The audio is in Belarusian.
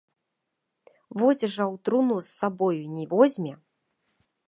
Вось жа ў труну з сабою не возьме.